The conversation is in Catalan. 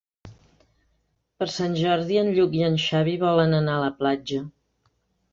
Per Sant Jordi en Lluc i en Xavi volen anar a la platja.